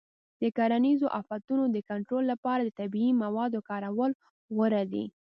د کرنیزو آفتونو د کنټرول لپاره د طبیعي موادو کارول غوره دي.